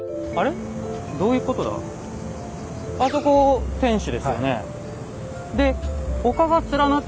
あそこ天守ですよね。